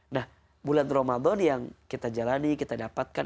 nah bulan ramadan yang kita jalani kita dapatkan